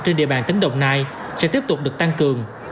trên địa bàn tỉnh đồng nai sẽ tiếp tục được tăng cường